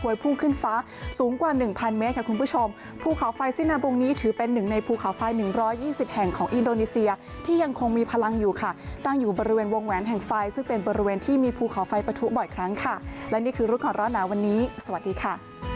อยู่อย่างในภูเขาไฟ๑๒๐แห่งของอินโดนีเซียที่ยังคงมีพลังอยู่ค่ะตั้งอยู่บริเวณวงแหวนแห่งไฟซึ่งเป็นบริเวณที่มีภูเขาไฟประทุบ่อยครั้งค่ะและนี่คือรุกของเรานะวันนี้สวัสดีค่ะ